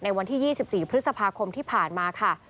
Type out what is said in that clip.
วันที่๒๔พฤษภาคมที่ผ่านมาค่ะ